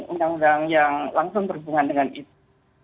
undang undang yang langsung berhubungan dengan itu